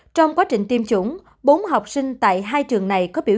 trong quá trình tiêm chủng bốn học sinh tại hai trường này có biểu